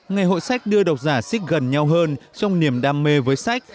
ngày hội sách đưa đọc giả xích gần nhau hơn trong niềm đam mê với sách